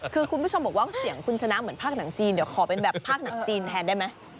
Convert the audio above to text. คือคุณผู้ชมบอกว่าเสียงคุณชนะเหมือนภาคหนังจีนเดี๋ยวขอเป็นแบบภาคหนังจีนแทนได้ไหม